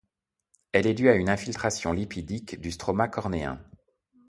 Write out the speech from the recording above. Elle est due à une infiltration lipidique du stroma cornéen.